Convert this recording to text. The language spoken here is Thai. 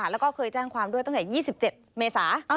แล้วก็เคยแจ้งความด้วยตั้งแต่๒๗เมษา